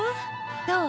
どう？